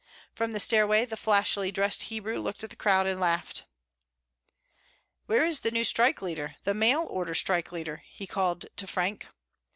From the stairway the flashily dressed Hebrew looked at the crowd and laughed. "Where is the new strike leader the mail order strike leader?" he called to Frank.